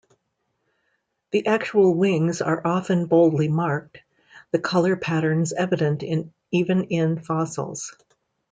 The actual wings are often boldly marked, the colour patterns evident even in fossils.